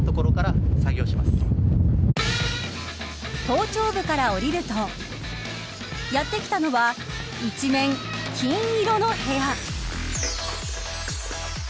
頭頂部から降りるとやってきたのは一面、金色の部屋。